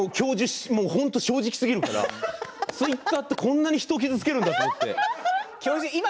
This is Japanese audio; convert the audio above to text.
正直すぎるからツイッターって、こんなに人を傷つけるんだと思う。